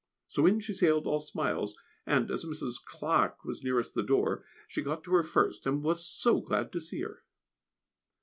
So in she sailed all smiles, and as Mrs. Clarke was nearest the door, she got to her first, and was so glad to see her.